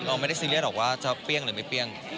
เราไม่ได้ซีเรียสหรอกว่าจะเปรี้ยงหรือไม่เปรี้ยง